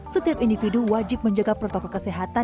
setiap individu wajib menjaga protokol kesehatan